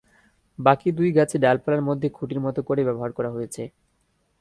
বাকি দুই গাছে ডালপালার মধ্যে খুঁটির মতো করে ব্যবহার করা হয়েছে।